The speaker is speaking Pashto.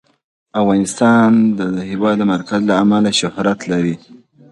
افغانستان د د هېواد مرکز له امله شهرت لري.